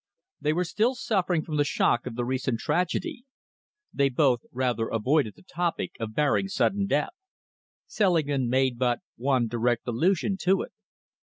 They were still suffering from the shock of the recent tragedy. They both rather avoided the topic of Baring's sudden death. Selingman made but one direct allusion to it.